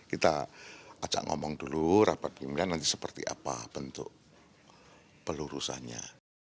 kita ajak ngomong dulu rapat pimpinan nanti seperti apa bentuk pelurusannya